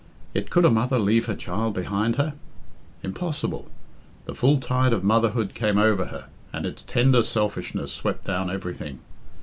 Yet could a mother leave her child behind her? Impossible! The full tide of motherhood came over her, and its tender selfishness swept down everything.